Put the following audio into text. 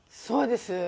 そうです。